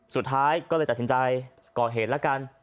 สุดท้ายก็เลยตัดสินใจก่อเหตุแล้วกัน